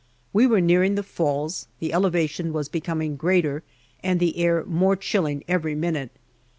We were nearing the falls, the elevation was becoming greater and the air more chilling every minute.